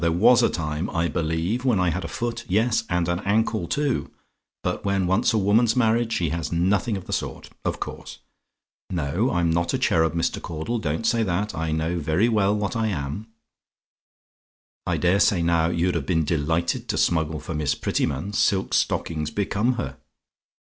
There was a time, I believe, when I had a foot yes, and an ankle, too; but when once a woman's married, she has nothing of the sort; of course. No: I'm NOT a cherub, Mr. Caudle; don't say that. I know very well what I am. "I dare say now, you'd have been delighted to smuggle for Miss Prettyman? Silk stockings become her!